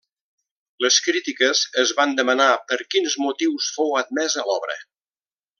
Les crítiques es van demanar per quins motius fou admesa l'obra.